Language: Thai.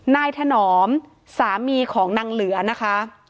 ถนอมสามีของนางเหลือนะคะ